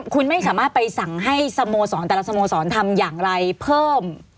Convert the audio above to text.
คุณไม่สามารถไปสั่งให้สโมสรแต่ละสโมสรทำอย่างไรเพิ่ม